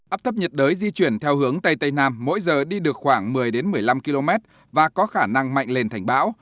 áp thấp nhiệt đới di chuyển theo hướng tây tây nam mỗi giờ đi được khoảng một mươi một mươi năm km và có khả năng mạnh lên thành bão